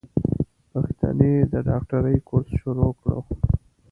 پښتنې د ډاکټرۍ کورس شروع کړو.